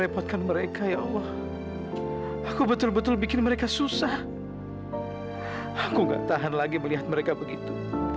pasti saya cari kamu